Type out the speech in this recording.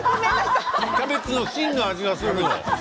キャベツの芯の味がする。